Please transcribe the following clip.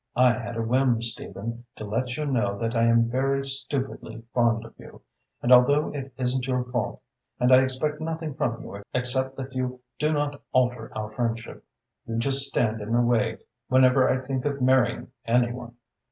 I had a whim, Stephen, to let you know that I am very stupidly fond of you, and although it isn't your fault and I expect nothing from you except that you do not alter our friendship, you just stand in the way whenever I think of marrying any one."